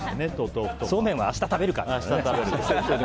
そうめんは明日食べるかってね。